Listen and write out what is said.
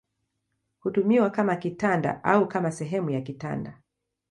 Hutumiwa kama kitanda au kama sehemu ya kitanda.